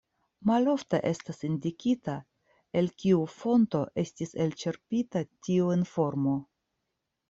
Malofte estas indikita el kiu fonto estis elĉerpita tiu informo.